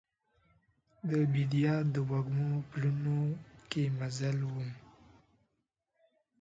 د بیدیا د وږمو پلونو کې مزل وم